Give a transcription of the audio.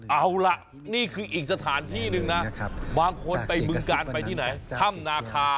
เอาล่ะนี่คืออีกสถานที่หนึ่งนะบางคนไปบึงการไปที่ไหนถ้ำนาคา